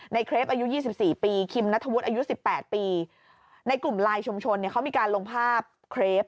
เครปอายุ๒๔ปีคิมนัทธวุฒิอายุ๑๘ปีในกลุ่มไลน์ชุมชนเนี่ยเขามีการลงภาพเครป